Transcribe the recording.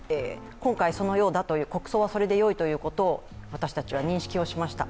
今回、そのようだという、国葬はそれでよいということを私たちは認識をしました。